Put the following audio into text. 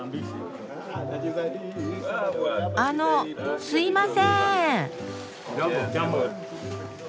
あのすいません。